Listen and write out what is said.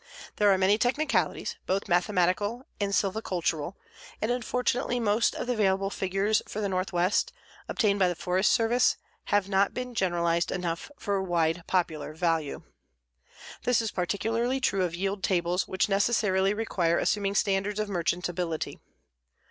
There are many technicalities, both mathematical and silvicultural, and unfortunately most of the available figures for the Northwest, obtained by the Forest Service, have not been generalized enough for wide popular value. This is particularly true of yield tables which necessarily require assuming standards of merchantability.